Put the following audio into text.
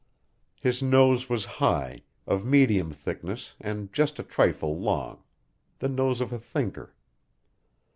His nose was high, of medium thickness and just a trifle long the nose of a thinker.